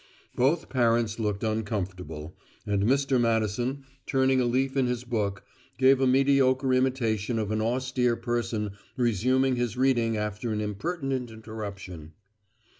Both parents looked uncomfortable, and Mr. Madison, turning a leaf in his book, gave a mediocre imitation of an austere person resuming his reading after an impertinent interruption.